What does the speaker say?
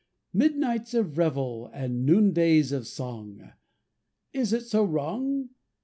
Midnights of revel, And noondays of song! Is it so wrong?